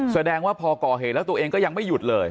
แสดงว่าพอก่อเหตุแล้วตัวเองก็ยังไม่หยุดเลย